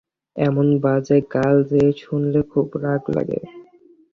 এমন বাজে গাল যে শুনলে খুব রাগ লাগে।